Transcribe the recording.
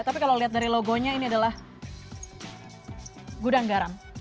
tapi kalau lihat dari logonya ini adalah gudang garam